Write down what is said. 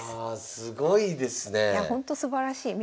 すごいですねえ。